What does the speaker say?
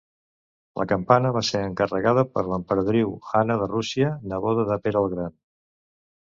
La campana va ser encarregada per l'emperadriu Anna de Rússia, neboda de Pere el Gran.